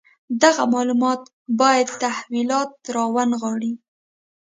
دغه معلومات باید تحولات راونغاړي.